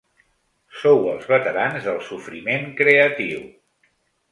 Sou els veterans del sofriment creatiu.